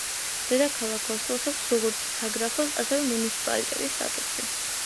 დედაქალაქ ოსლოს აქვს როგორც საგრაფოს ასევე მუნიციპალიტეტის სტატუსი.